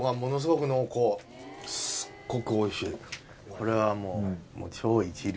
これはもう。